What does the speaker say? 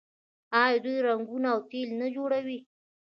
آیا دوی رنګونه او تیل نه جوړوي؟